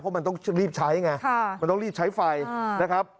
เพราะมันต้องรีบใช้ไงมันต้องรีบใช้ไฟนะครับ